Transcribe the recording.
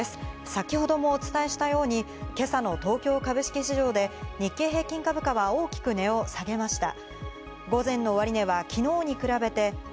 先程もお伝えしたように今朝の東京株式市場で日経平均株価は大きく値を下げました。